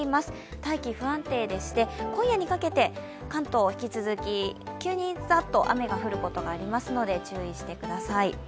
大気不安定でして、今夜にかけて関東、引き続き急にザッと雨が降ることがありますので注意してください。